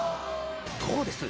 どうです？